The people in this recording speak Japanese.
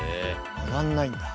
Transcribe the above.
上がんないんだ。